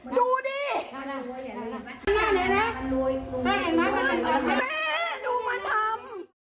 มันมาทำ